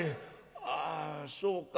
あそうか。